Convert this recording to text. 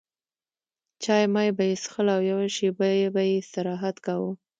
چای مای به یې څښل او یوه شېبه به یې استراحت کاوه.